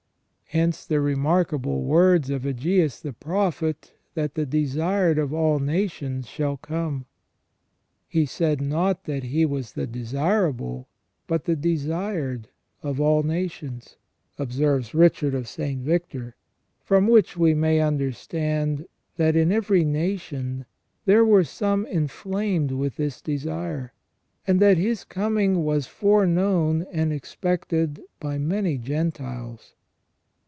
Hence the remarkable words of Aggeas the prophet, that " the desired of all nations shall come "." He said not that he was the desirable, but the desired of all nations," observes Richard of St. Victor, " from which we may understand that in every nation there were some inflamed with this desire ; and that his coming was foreknown and expected by many Gentiles."